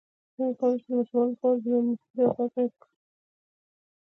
د پاینده خېلو مجاهدینو ته یې شګې په پیر صاحب دم کړې.